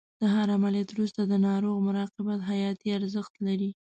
د هر عملیات وروسته د ناروغ مراقبت حیاتي ارزښت لري.